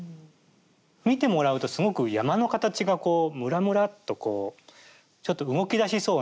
見てもらうとすごく山の形がこうむらむらっとこうちょっと動き出しそうな形。